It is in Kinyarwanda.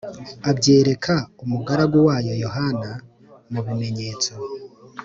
abyereka umugaragu wayo Yohana mu bimenyetso